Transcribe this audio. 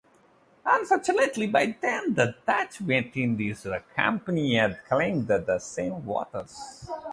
Unfortunately, by then, the Dutch West Indies Company had claimed the same waters.